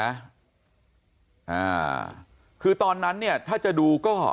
อ่าคือตอนนั้นเนี่ยถ้าจะดูก็